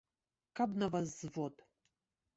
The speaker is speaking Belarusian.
Каб на вас звод!